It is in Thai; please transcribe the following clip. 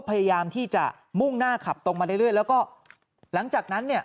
พยายามที่จะมุ่งหน้าขับตรงมาเรื่อยแล้วก็หลังจากนั้นเนี่ย